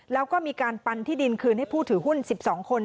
แล้วก็มีการปันที่ดินคืนให้ผู้ถือหุ้น๑๒คน